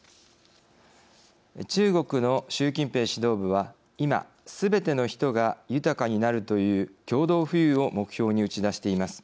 中国の習近平指導部は今、すべての人が豊かになるという共同富裕を目標に打ち出しています。